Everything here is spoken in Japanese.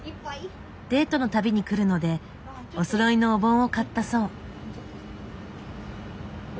デートの度に来るのでおそろいのお盆を買ったそう。